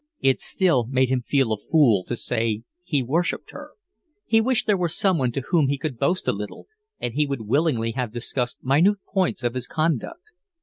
It still made him feel a fool to say he worshipped her. He wished there were someone to whom he could boast a little, and he would willingly have discussed minute points of his conduct.